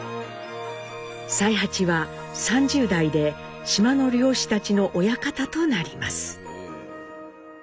才八は３０代で島の漁師たちの親方となります。